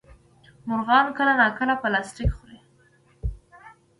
مرغان کله ناکله پلاستيک خوري.